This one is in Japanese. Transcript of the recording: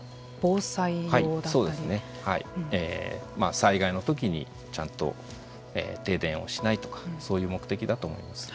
災害の時にちゃんと停電をしないとかそういう目的だと思います。